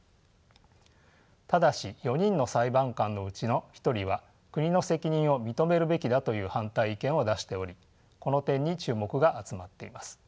ただし４人の裁判官のうちの１人は国の責任を認めるべきだという反対意見を出しておりこの点に注目が集まっています。